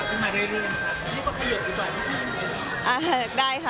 ก็คือพี่ที่อยู่เชียงใหม่พี่อธค่ะ